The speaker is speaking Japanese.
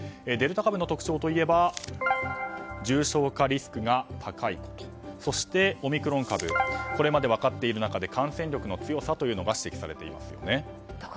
デルタ株の特徴といえば重症化リスクが高いこととそして、オミクロン株これまで分かっている中で感染力の強さが指摘されていますね。